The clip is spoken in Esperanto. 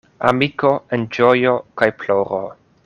Amiko en ĝojo kaj ploro.